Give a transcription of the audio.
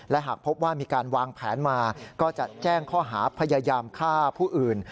และหากพบว่ามีการวางแผนมาก็จะแจ้งข้อหาพยายามฆ่าผู้อื่น